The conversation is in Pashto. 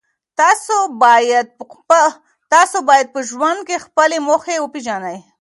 تاسو باید په ژوند کې خپلې موخې وپېژنئ.